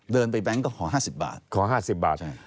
เดินไปแบงก์ก็ขอ๕๐บาท